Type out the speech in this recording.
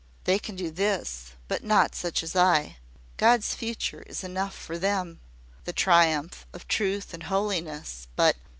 They can do this: but not such as I. God's future is enough for them the triumph of truth and holiness; but